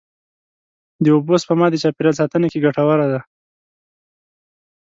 د اوبو سپما د چاپېریال ساتنې کې ګټوره ده.